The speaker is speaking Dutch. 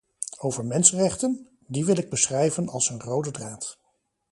Over mensenrechten: die wil ik beschrijven als een rode draad.